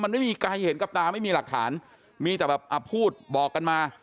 มันไม่มีใครเห็นกับตาไม่มีหลักฐานมีแต่แบบอ่ะพูดบอกกันมา